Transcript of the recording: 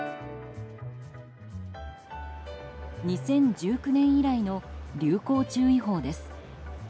２０１９年以来の流行注意報です。